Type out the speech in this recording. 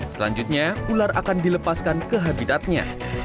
selanjutnya ular akan dilepaskan ke habitatnya